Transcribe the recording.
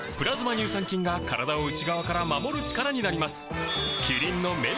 乳酸菌が体を内側から守る力になります